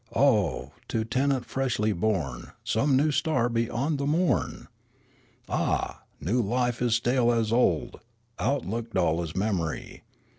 Oh ! to tenant freshly born Some new star beyond the morn ! Ah ! new life is stale as old, Outlook dull as memory.